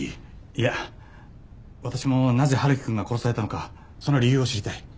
いや私もなぜ春樹くんが殺されたのかその理由を知りたい。